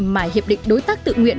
mà hiệp định đối tác tự nguyện